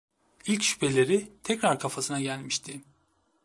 İlk şüpheleri tekrar kafasına gelmişti.